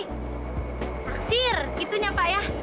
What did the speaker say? maksir itunya pak ya